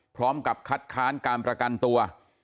พร้อมกับคัดค้านการประกันตัว